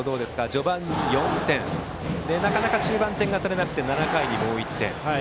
序盤に４点なかなか中盤点が取れなくて７回にもう１点。